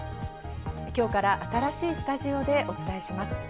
今日から新しいスタジオでお伝えします。